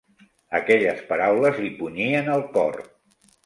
Aquelles paraules li punyien el cor.